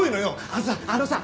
あのさあのさ